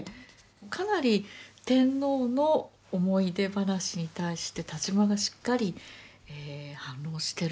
かなり天皇の思い出話に対して田島がしっかり反応してる感じがしますね。